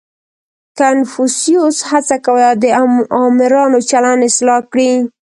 • کنفوسیوس هڅه کوله، د آمرانو چلند اصلاح کړي.